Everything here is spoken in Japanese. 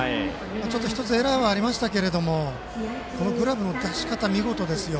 １つエラーがありましたがこのグラブの出し方、見事ですよ。